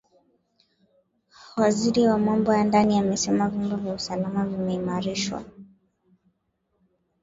Waziri wa Mambo ya Ndani amesema vyombo vya usalama vimeimarishwa